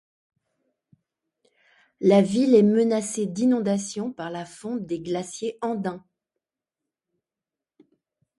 La ville est menacée d'inondations par la fonte des glaciers andins.